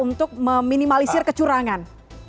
untuk meminimalisir kecurangan